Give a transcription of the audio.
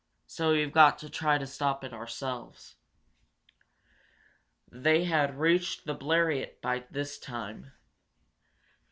So we've got to try to stop it ourselves." They had reached the Bleriot by that time.